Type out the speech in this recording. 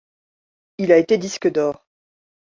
Il a été disque d'or.